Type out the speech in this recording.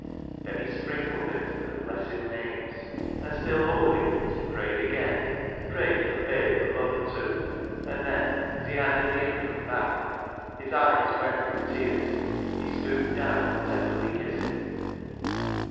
Then he sprinkled it in the " Blessed Names," and, still holding it, prayed again, — prayed for babe and mother too, — and then, as he handed the infant back, his 32 BECKSIDE LIGHTS eyes wet with tears, he stooped clown and tenderly kissed it.